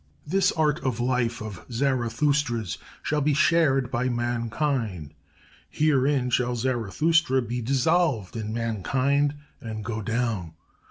This art of life of Zarathustra's shall be shared by Mankind; herein shall Zarathustra be dissolved in Mankind and 'go down!'